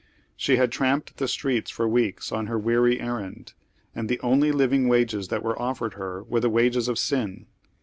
She liad tramped tlie streets for weeks on her weary errand, and the only living wagea that were offered her were the wagea of sin.